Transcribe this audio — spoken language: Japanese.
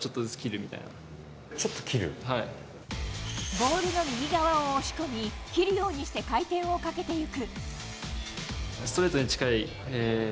ボールの右側を押し込み切るようにして回転をかけていく。